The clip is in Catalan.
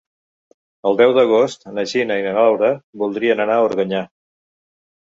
El deu d'agost na Gina i na Laura voldrien anar a Organyà.